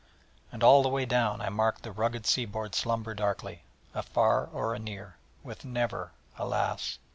And all the way down I marked the rugged sea board slumber darkling, afar or near, with never, alas!